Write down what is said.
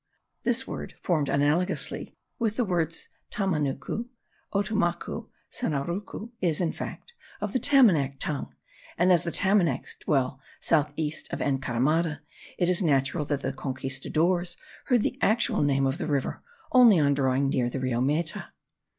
This word (formed analogously with the words Tamanacu, Otomacu, Sinarucu) is, in fact, of the Tamanac tongue; and, as the Tamanacs dwell south east of Encaramada, it is natural that the conquistadores heard the actual name of the river only on drawing near the Rio Meta.